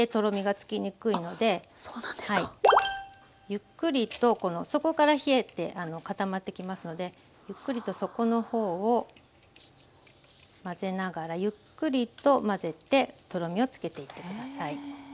ゆっくりとこの底から冷えて固まってきますのでゆっくりと底の方を混ぜながらゆっくりと混ぜてとろみをつけていって下さい。